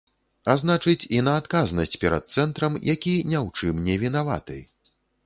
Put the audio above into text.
А значыць, і на адказнасць перад цэнтрам, які ні ў чым не вінаваты.